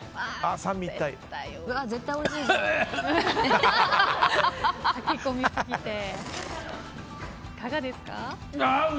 いかがですか？